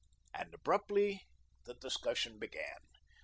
And abruptly the discussion began.